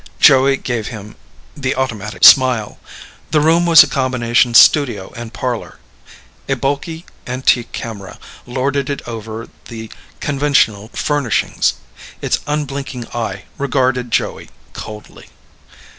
Joey gave him the automatic smile. The room was a combination studio and parlor. A bulky, antique camera lorded it over the conventional furnishings. Its unblinking eye regarded Joey coldly.